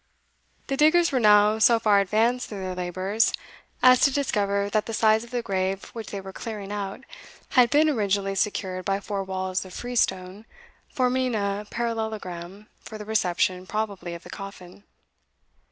The diggers were now so far advanced in their labours as to discover that the sides of the grave which they were clearing out had been originally secured by four walls of freestone, forming a parallelogram, for the reception, probably, of the coffin.